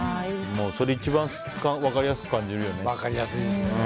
それ一番分かりやすく感じるよね。